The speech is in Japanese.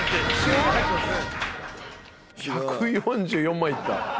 １４４万いった。